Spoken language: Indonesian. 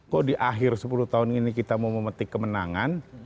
kok di akhir sepuluh tahun ini kita mau memetik kemenangan